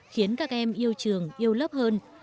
khiến các em yêu trường yêu lớp hơn